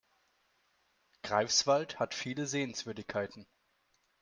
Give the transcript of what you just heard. Greifswald hat viele Sehenswürdigkeiten